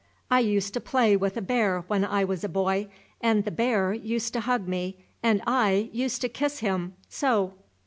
I used to play with a bear when I was a boy; and the bear used to hug me, and I used to kiss him, so!"